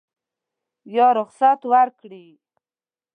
یا رخصت ورکړي.